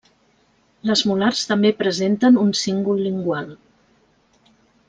Les molars també presenten un cíngol lingual.